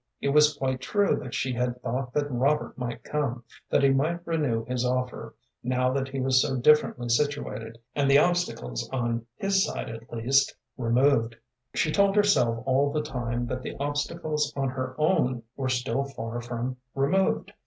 It was quite true that she had thought that Robert might come, that he might renew his offer, now that he was so differently situated, and the obstacles, on his side, at least, removed. She told herself all the time that the obstacles on her own were still far from removed.